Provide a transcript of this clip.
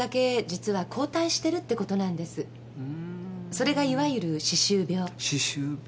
それがいわゆる歯周病。歯周病。